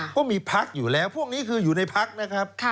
ก็มีพักอยู่แล้วพวกนี้คืออยู่ในพักนะครับ